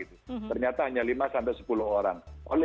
ternyata hanya lima sampai sepuluh orang